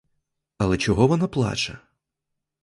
Але чого вона плаче?